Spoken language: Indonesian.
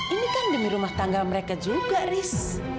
ini kan demi rumah tangga mereka juga ris